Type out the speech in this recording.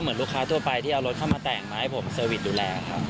เหมือนลูกค้าทั่วไปที่เอารถเข้ามาแต่งมาให้ผมเซอร์วิสดูแลครับ